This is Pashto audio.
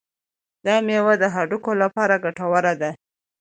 دا میوه د هډوکو لپاره ګټوره ده.